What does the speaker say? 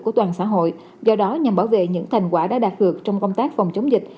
của toàn xã hội do đó nhằm bảo vệ những thành quả đã đạt được trong công tác phòng chống dịch